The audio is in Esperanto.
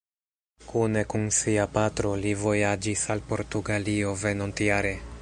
Kune kun sia patro, li vojaĝis al Portugalio venontjare.